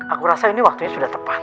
aku rasa ini waktunya sudah tepat